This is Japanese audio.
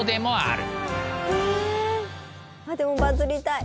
でもバズりたい。